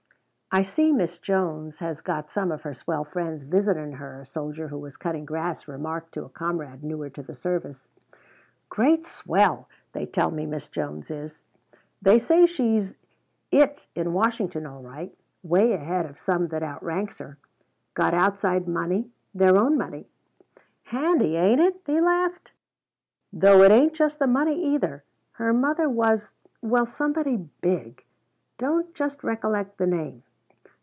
"I see Miss Jones has got some of her swell friends visitin' her," a soldier who was cutting grass remarked to a comrade newer to the service. "Great swell they tell me Miss Jones is. They say she's it in Washington all right way ahead of some that outranks her. Got outside money their own money. Handy, ain't it?" he laughed. "Though it ain't just the money, either. Her mother was well, somebody big don't just recollect the name.